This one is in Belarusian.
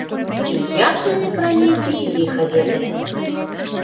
І як яны пралезлі, ліха ведае!